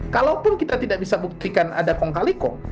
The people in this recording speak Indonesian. kalaupun kita tidak bisa buktikan ada kong kali kong